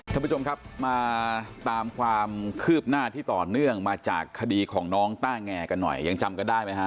ท่านผู้ชมครับมาตามความคืบหน้าที่ต่อเนื่องมาจากคดีของน้องต้าแงกันหน่อยยังจำกันได้ไหมฮะ